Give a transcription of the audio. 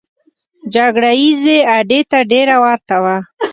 جګړه ییزې اډې ته ډېره ورته وه.